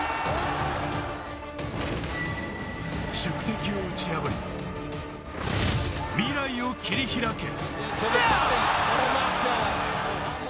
宿敵を打ち破り、未来を切り開け。